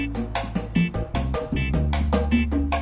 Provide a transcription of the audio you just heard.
enggak wheat sih lihat ya